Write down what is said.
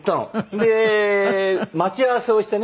で待ち合わせをしてね